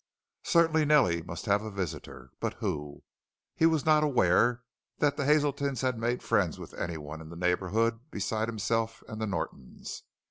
Certainly Nellie must have a visitor. But who? He was not aware that the Hazeltons had made friends with anyone in the neighborhood besides himself and the Nortons.